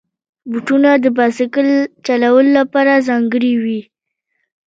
بوټونه د بایسکل چلولو لپاره ځانګړي وي.